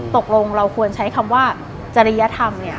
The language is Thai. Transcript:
ตกลงเราควรใช้คำว่าจริยธรรมเนี่ย